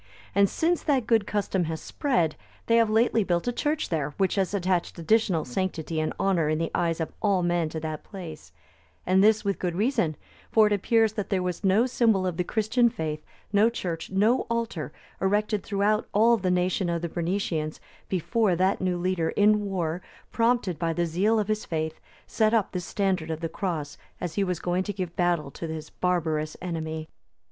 And since that good custom has spread, they have lately built a church there, which has attached additional sanctity and honour in the eyes of all men to that place;(292) and this with good reason; for it appears that there was no symbol of the Christian faith, no church, no altar erected throughout all the nation of the Bernicians, before that new leader in war, prompted by the zeal of his faith, set up this standard of the Cross as he was going to give battle to his barbarous enemy.